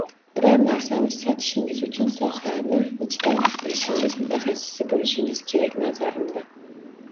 Biror narsani sotishingiz uchun sohani ichdan bilishingiz, mutaxassisi boʻlishingiz kerak, nazarimda.